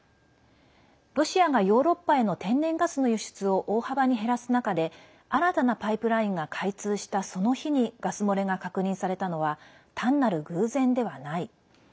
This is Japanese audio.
ロシアが、ヨーロッパへの天然ガスの輸出を大幅に減らす中で新たなパイプラインが開通したその日にガス漏れが確認されたのは単なる偶然ではない。